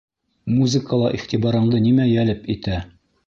Музыкала иғтибарыңды нимә йәлеп итә?